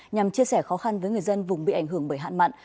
nhằm chia sẻ khó khăn với người dân vùng bị ảnh hưởng bởi hạn mặn